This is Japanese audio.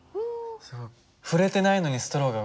触れてないのにストローが動いたね。